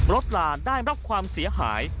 รดราได้เหลือความเสียหาย